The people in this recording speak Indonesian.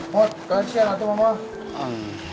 mod kasian atuh mama